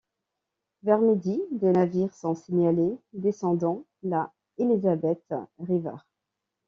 Vers midi, des navires sont signalés descendant la Elizabeth River.